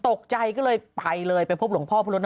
ตกใจก็เลยไปเลยไปพบหลวงพ่อพระรถ